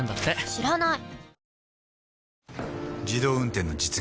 知らない！